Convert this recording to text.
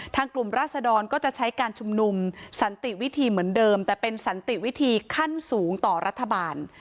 กลุ่มราศดรก็จะใช้การชุมนุมสันติวิธีเหมือนเดิมแต่เป็นสันติวิธีขั้นสูงต่อรัฐบาล